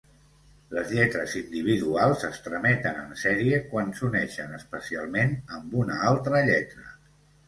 Les lletres individuals es trameten en sèrie quan s'uneixen espacialment amb una altra lletra.